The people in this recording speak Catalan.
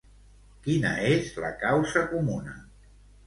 Quina és la causa comuna?